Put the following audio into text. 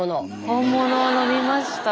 本物を飲みました。